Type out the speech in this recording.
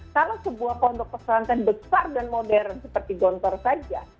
kalau sebuah pondok pesantren besar dan modern seperti gondwara